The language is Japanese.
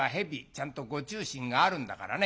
ちゃんとご注進があるんだからね。